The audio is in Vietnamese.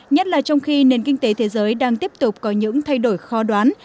nhất là trong khi nền kinh tế thế giới đang tiếp tục có những thay đổi khó đoán